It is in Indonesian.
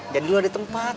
jadi lo ada tempat